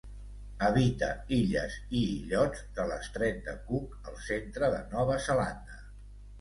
Habita illes i illots de l'Estret de Cook, al centre de Nova Zelanda.